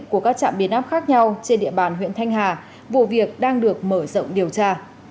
của các trạm biến áp khác nhau trên địa bàn huyện thanh hà vụ việc đang được mở rộng điều tra